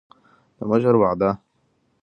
د مشر وعده